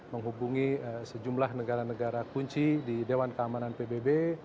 menghubungi sejumlah negara negara kunci di dewan keamanan pbb